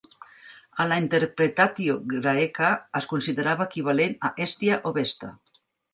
A la "interpretatio graeca", es considerava equivalent a Hèstia o Vesta.